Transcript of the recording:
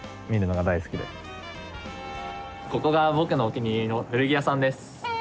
ここが僕のお気に入りの古着屋さんです。